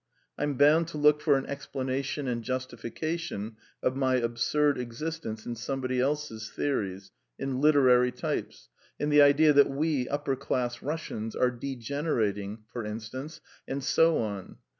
I'm bound to look for an explanation and justification of my absurd existence in somebody else's theories, in literary types in the idea that we, upper class Russians, are degenerating, for instance, and so on.